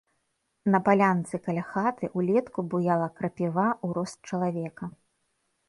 На палянцы каля хаты ўлетку буяла крапіва ў рост чалавека.